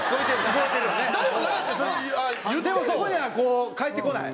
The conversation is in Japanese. でもそこには返ってこない？